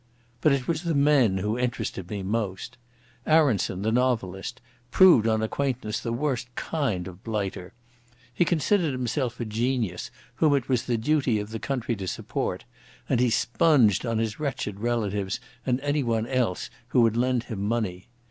But it was the men who interested me most. Aronson, the novelist, proved on acquaintance the worst kind of blighter. He considered himself a genius whom it was the duty of the country to support, and he sponged on his wretched relatives and anyone who would lend him money.